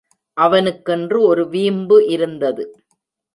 அவனுக்கென்று ஒரு வீம்பு இருந்தது.